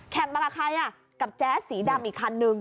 มากับใครอ่ะกับแจ๊สสีดำอีกคันนึง